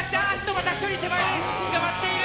また１人手前で捕まっている！